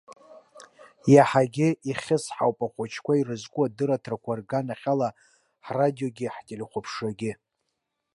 Иаҳагьы ихьысҳауп ахәыҷқәа ирызку адырраҭарақәа рганахьала ҳрадиогьы ҳтелехәаԥшрагьы.